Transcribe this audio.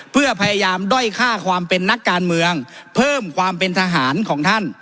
เพื่อพยายามด้อยค่าความเป็นนักการเมืองเพิ่มความเป็นทหารของท่าน